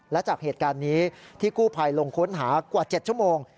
และจากเหตุการณ์นี้ที่กู้ภัยลงค้นหากว่า๗ชั่วโมง